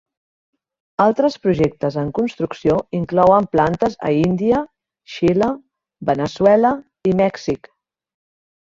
Altres projectes en construcció inclouen plantes a Índia, Xile, Veneçuela i Mèxic.